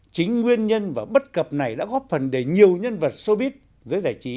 chính nguyên nhân và bất cập này đã góp phần để nhiều nhân vật showbiz